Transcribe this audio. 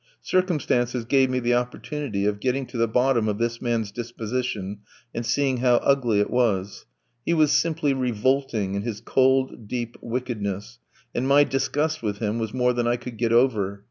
Circumstances gave me the opportunity of getting to the bottom of this man's disposition and seeing how ugly it was; he was simply revolting in his cold, deep wickedness, and my disgust with him was more than I could get over.